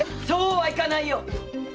そうはいかないよ！